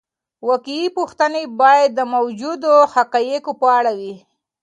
واقعي پوښتنې باید د موجودو حقایقو په اړه وي.